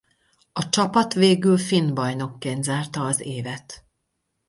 A csapat végül finn bajnokként zárta az évet.